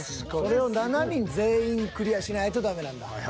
それを７人全員クリアしないとダメなんだ。